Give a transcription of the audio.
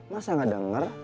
masa gak denger